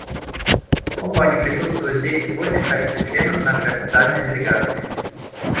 Оба они присутствуют здесь сегодня в качестве членов нашей официальной делегации.